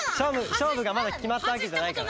しょうぶがまだきまったわけじゃないから。